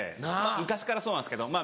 昔からそうなんですけど。